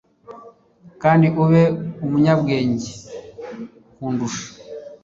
kandi ube umunyabwenge kundusha